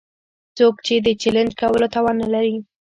څوک يې د چلېنج کولو توان نه لري.